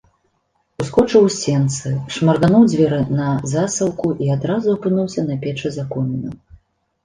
Ускочыў у сенцы, шмаргануў дзверы на засаўку і адразу апынуўся на печы за комінам.